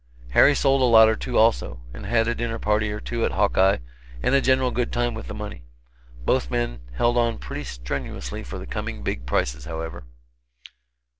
Harry sold a lot or two, also and had a dinner party or two at Hawkeye and a general good time with the money. Both men held on pretty strenuously for the coming big prices, however.